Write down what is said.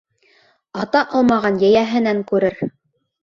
Ата алмаған йәйәһенән күрер.